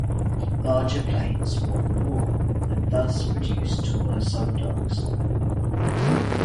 Larger plates wobble more, and thus produce taller sundogs.